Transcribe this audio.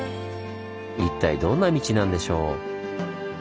一体どんな道なんでしょう？